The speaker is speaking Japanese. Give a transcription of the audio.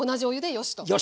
よし！